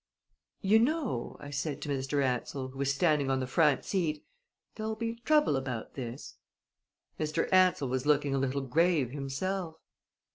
"You know," I said to Mr. Ansell, who was standing on the front seat, "there'll be trouble about this!" Mr. Ansell was looking a little grave himself.